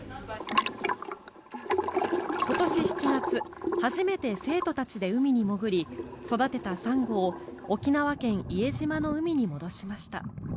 今年７月初めて生徒たちで海に潜り育てたサンゴを沖縄県・伊江島の海に戻しました。